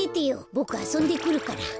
ボクあそんでくるから。